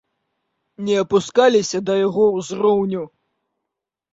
Не апускаліся да яго ўзроўню.